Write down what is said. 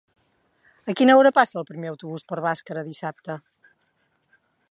A quina hora passa el primer autobús per Bàscara dissabte?